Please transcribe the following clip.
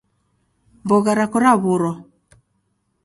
Mbogha rako raw'urwa